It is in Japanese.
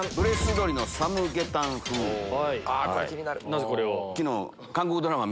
なぜこれを？